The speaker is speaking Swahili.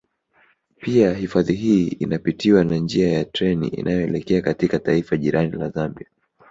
Pia hifadhi hii inapitiwa na njia ya treni inayoelekea katika taifa jirani la Zambia